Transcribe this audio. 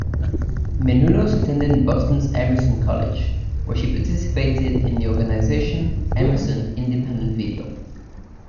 Menounos attended Boston's Emerson College, where she participated in the organization Emerson Independent Video.